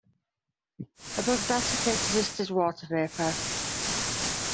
Above that, it exists as water vapor.